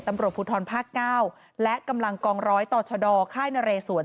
ตำรวจภูทรภาคเก้าและกำลังกองร้อยต่อชดค่ายนเรสวน